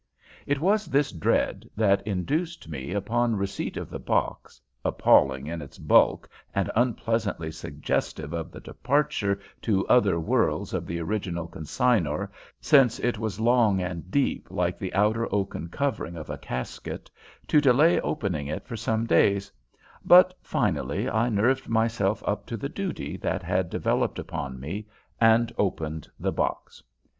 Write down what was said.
It was this dread that induced me, upon receipt of the box, appalling in its bulk and unpleasantly suggestive of the departure to other worlds of the original consignor, since it was long and deep like the outer oaken covering of a casket, to delay opening it for some days; but finally I nerved myself up to the duty that had devolved upon me, and opened the box.